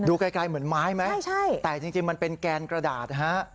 ไกลเหมือนไม้ไหมแต่จริงมันเป็นแกนกระดาษฮะ